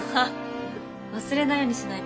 忘れないようにしないと。